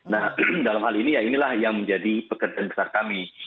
nah dalam hal ini ya inilah yang menjadi pekerjaan besar kami